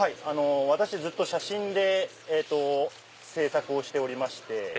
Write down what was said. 私ずっと写真で制作をしておりまして。